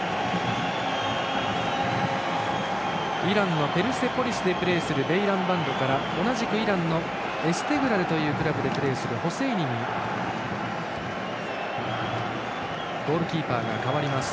イランのペルセポリスでプレーするベイランバンドから同じくイランのエステグラルというクラブでプレーするホセイニにゴールキーパーが代わります。